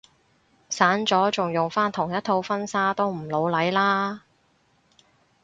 散咗仲用返同一套婚紗都唔老嚟啦